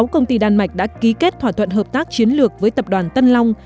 sáu công ty đan mạch đã ký kết thỏa thuận hợp tác chiến lược với tập đoàn tân long